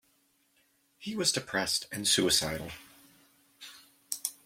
He was depressed and suicidal.